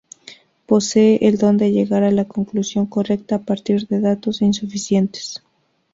Posee el don de llegar a la conclusión correcta a partir de datos insuficientes.